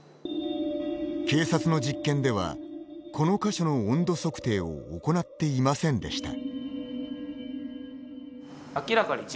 警察の実験では、この箇所の温度測定を行っていませんでした。